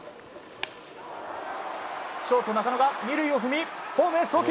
ショート中野が２塁を踏みホームへ送球。